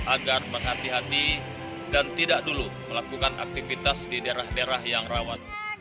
agar berhati hati dan tidak dulu melakukan aktivitas di daerah daerah yang rawat